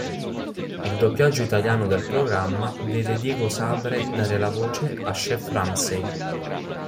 Il doppiaggio italiano del programma vede Diego Sabre dare la voce a chef Ramsay.